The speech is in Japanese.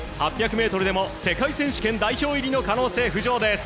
８００ｍでも世界選手権代表入りの可能性浮上です。